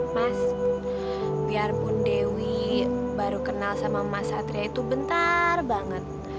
mas biarpun dewi baru kenal sama mas satria itu bentar banget